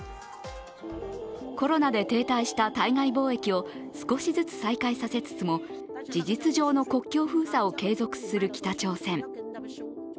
コロナで停滞した対外貿易を少しずつ再開させつつも、事実上の国境封鎖を継続する北朝鮮。